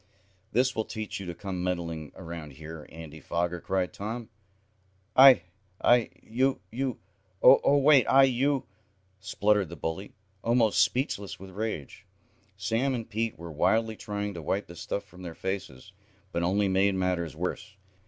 "That will teach you to come meddling around here. Andy Foger!" cried Tom. "I I you you Oh, wait I you " spluttered the bully, almost speechless with rage. Sam and Pete were wildly trying to wipe the stuff from their faces, but only made matters worse.